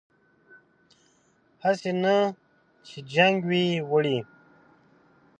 هسې نه چې جنګ وي وړی